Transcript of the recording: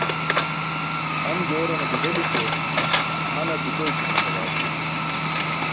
Han goorane gudeli ke, hanar dukoykinas awaji.